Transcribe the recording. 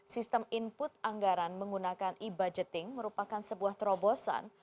sistem input anggaran menggunakan e budgeting merupakan sebuah terobosan